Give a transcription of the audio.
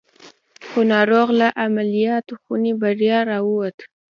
خو ناروغ له عملیات خونې بریالی را وووت